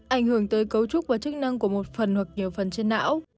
ảnh hưởng tới cấu trúc và chức năng của một phần hoặc nhiều phần trên não